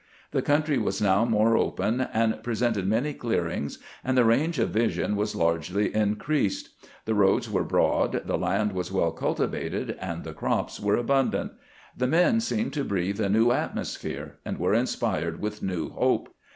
The country was now more open, and pre sented many clearings, and the range of vision was largely increased. The roads were broad, the land was well cultivated, and the crops were abundant. The men seemed to breathe a new atmosphere, and were inspired with new hope.